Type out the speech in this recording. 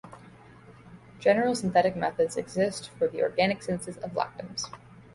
General synthetic methods exist for the organic synthesis of lactams.